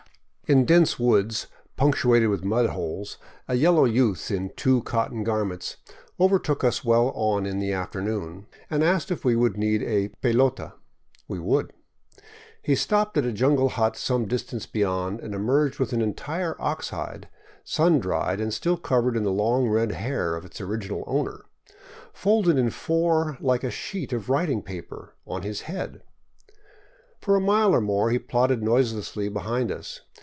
In dense woods punctuated with mud holes, a yellow youth in two cotton garments overtook us well on in the afternoon, and asked if we would need a "pelota." We would. He stopped at a jungle hut some distance beyond and emerged with an entire ox hide, sun dried and still covered with the long red hair of its original owner, folded in four like a sheet of writing paper, on his head. For a mile or more he plodded noiselessly behind us.